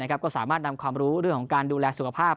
ก็สามารถนำความรู้เรื่องของการดูแลสุขภาพ